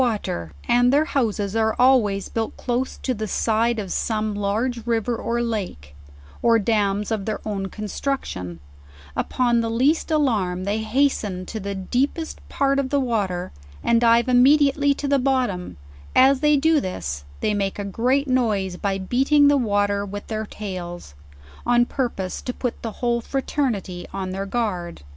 69 water, and their houses are always built close to the side of some large river or lake, or dams of their own construction, upon the least alarm they hasten to the deepest part of the water, and dive immediately to the bottom; as they do this they make a great noise by beating the water with their tails; on purpose to put the whole fraternity on their guard.